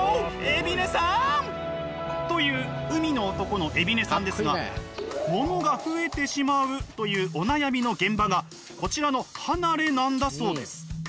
海老根さん！という海の男の海老根さんですがものが増えてしまうというお悩みの現場がこちらの離れなんだそうです。